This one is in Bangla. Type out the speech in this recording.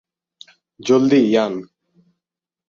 জলদি, ইয়ান!